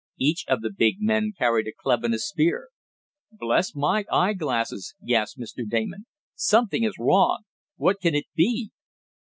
Each of the big men carried a club and a spear. "Bless my eye glasses!" gasped Mr. Damon. "Something is wrong. What can it be?"